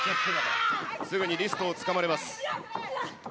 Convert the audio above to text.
すぐにリストをつかまれます。